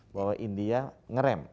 bahwa india ngerem